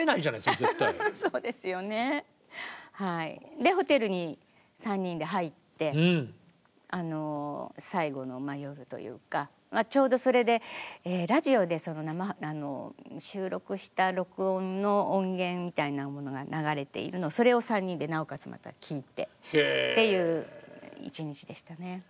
でホテルに３人で入って最後の夜というかちょうどそれでラジオで収録した録音の音源みたいなものが流れているのそれを３人でなおかつまた聴いてっていう一日でしたね。